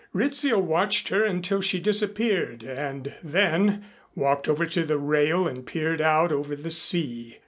Rizzio watched her until she disappeared and then walked over to the rail and peered out over the sea.